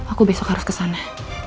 aku besok harus kesana